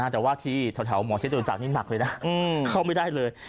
แต่ว่าที่แถวหมอชิดโดนจักรนี่หนักเลยนะเข้าไม่ได้เลย